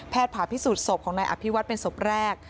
ผ่าพิสูจน์ศพของนายอภิวัตรเป็นศพแรก